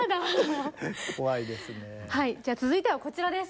はいじゃあ続いてはこちらです！